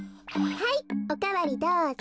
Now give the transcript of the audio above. はいおかわりどうぞ。